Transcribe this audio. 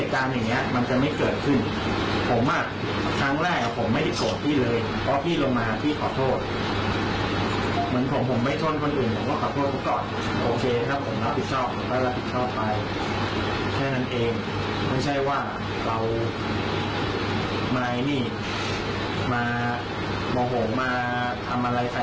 ทั้งแรกผมไม่ได้โกรธพี่เลยเพราะพี่ลงมาพี่ขอโทษ